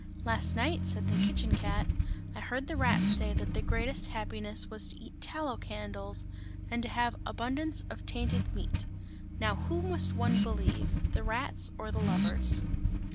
"Last night," said the kitchen cat, "I heard the rats say that the greatest happiness was to eat tallow candles, and to have abundance of tainted meat. Now who must one believe, the rats or the lovers?"